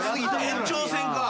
延長戦か。